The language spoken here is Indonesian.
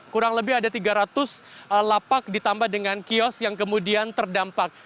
kurang lebih ada tiga ratus lapak ditambah dengan kios yang kemudian terdampak